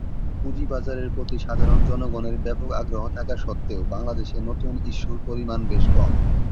পুঁজিবাজারের প্রতি সাধারণ জনগণের ব্যাপক আগ্রহ থাকা সত্ত্বেও বাংলাদেশে নতুন ইস্যুর পরিমাণ বেশ কম।